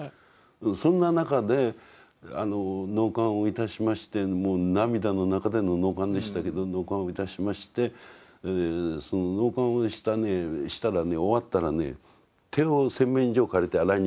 そんな中で納棺をいたしましてもう涙の中での納棺でしたけど納棺をいたしましてその納棺をしたらね終わったらね手を洗面所を借りて洗いに行くんですよ。